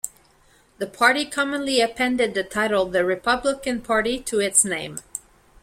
The party commonly appended the title "The Republican Party" to its name.